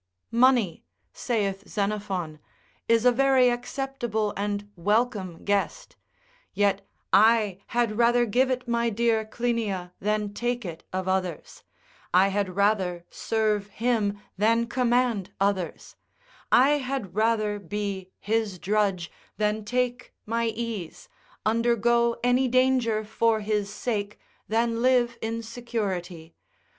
Money (saith Xenophon) is a very acceptable and welcome guest, yet I had rather give it my dear Clinia than take it of others, I had rather serve him than command others, I had rather be his drudge than take my ease, undergo any danger for his sake than live in security.